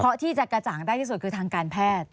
เพราะที่จะกระจ่างได้ที่สุดคือทางการแพทย์